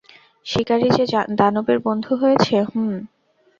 শিকারী যে দানবের বন্ধু হয়েছে, হুম?